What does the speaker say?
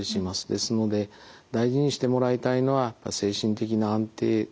ですので大事にしてもらいたいのは精神的な安定。